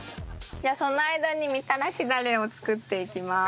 その間にみたらしダレを作っていきます。